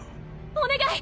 お願い！